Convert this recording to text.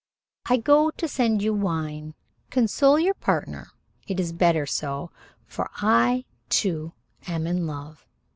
"I go to send you wine. Console your partner. It is better so, for I too am in love."